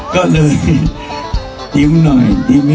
ก็เลยยิ้มหน่อย